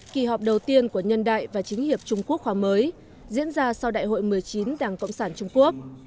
kỳ họp đầu tiên của nhân đại và chính hiệp trung quốc khóa mới diễn ra sau đại hội một mươi chín đảng cộng sản trung quốc